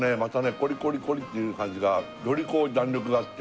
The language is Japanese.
コリコリコリっていう感じがよりこう弾力があって